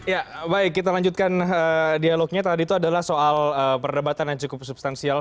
ya baik kita lanjutkan dialognya tadi itu adalah soal perdebatan yang cukup substansial